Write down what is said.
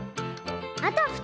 「あたふた！